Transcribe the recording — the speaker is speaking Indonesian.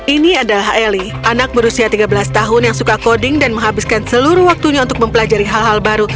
ini adalah eli anak berusia tiga belas tahun yang suka coding dan menghabiskan seluruh waktunya untuk mempelajari hal hal baru